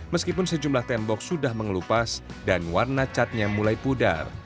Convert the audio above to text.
meskipun sejumlah tembok sudah mengelupas dan warna catnya mulai pudar